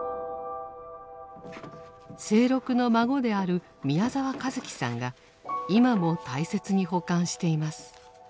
清六の孫である宮澤和樹さんが今も大切に保管しています。